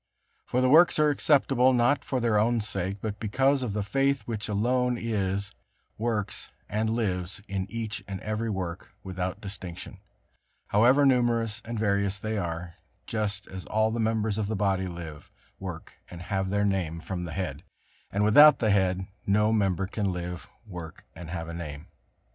For the works are acceptable not for their own sake, but because of the faith which alone is, works and lives in each and every work without distinction, however numerous and various they are, just as all the members of the body live, work and have their name from the head, and without the head no member can live, work and have a name.